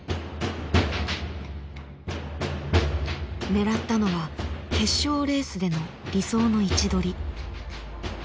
ねらったのは決勝レースでの理想の位置どり。